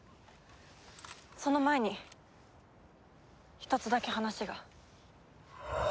その前に一つだけ話が。